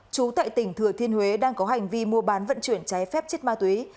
chú tại tỉnh thừa thiên huế đang có hành vi mua bán vận chuyển trái phép chất ma túy